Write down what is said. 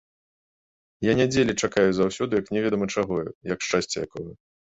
Я нядзелі чакаю заўсёды, як немаведама чаго, як шчасця якога.